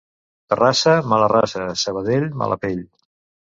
Terrassa, mala raça; Sabadell, mala pell.